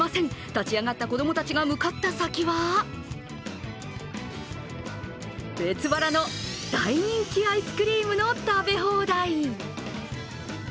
立ち上がった子供たちが向かった先は別腹の大人気アイスクリームの食べ放題。